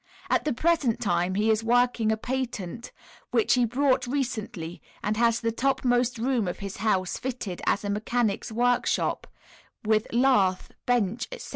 At the present time he is working a patent which he bought recently, and has the topmost room of his house fitted as a mechanic's workshop, with lathe, bench, etc.